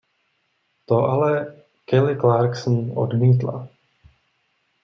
To ale Kelly Clarkson odmítla.